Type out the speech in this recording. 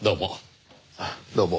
どうも。